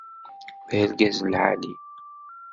D argaz lɛali.